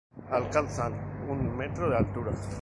Alcanza un metro de altura.